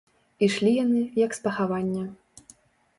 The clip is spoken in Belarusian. Ішлі яны, як з пахавання.